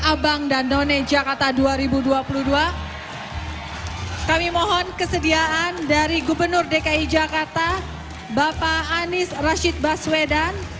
abang dan none jakarta dua ribu dua puluh dua kami mohon kesediaan dari gubernur dki jakarta bapak anies rashid baswedan